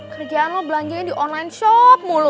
kerjaan lo belanjanya di online shop mulu